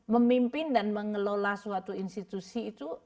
memimpin dan mengelola suatu institusi itu